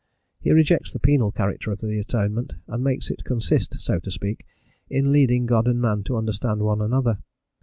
He rejects the penal character of the Atonement, and makes it consist, so to speak, in leading God and man to understand one another.